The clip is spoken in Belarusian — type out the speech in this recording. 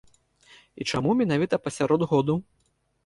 І чаму менавіта пасярод году?